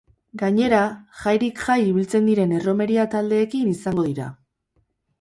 Gainera, jairik jai ibiltzen diren erromeria taldeekin izango dira.